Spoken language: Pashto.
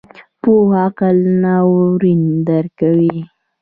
پوخ عقل ناورین درکوي